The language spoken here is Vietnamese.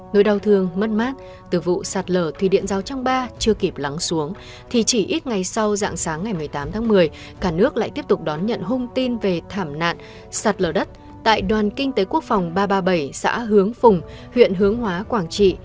nỗi đau thương mất mát từ vụ sạt lở thủy điện giao trang ba chưa kịp lắng xuống thì chỉ ít ngày sau dạng sáng ngày một mươi tám tháng một mươi cả nước lại tiếp tục đón nhận hung tin về thảm nạn sạt lở đất tại đoàn kinh tế quốc phòng ba trăm ba mươi bảy xã hướng phùng huyện hướng hóa quảng trị